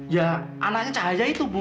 ya anaknya cahaya itu bu